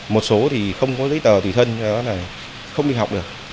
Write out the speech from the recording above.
một số thì không có giấy tờ tùy thân do đó là không đi học được